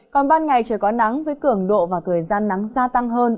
còn ban ngày trời có nắng với cường độ và thời gian nắng gia tăng hơn